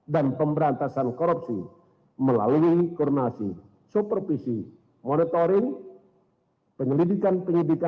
dan pemberantasan korupsi melalui koordinasi supervisi monitoring penyelidikan penyelidikan